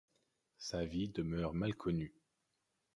Sa vie demeure mal connue.